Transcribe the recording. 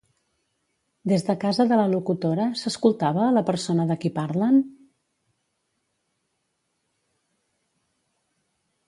Des de casa de la locutora, s'escoltava a la persona de qui parlen?